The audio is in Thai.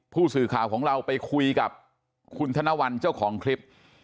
ผู้สื่อข่าวของเราไปคุยกับคุณธนวัลเจ้าของคลิป